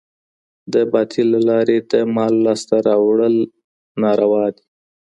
د باطل له لاري د مال لاسته راوړل ناروا دي.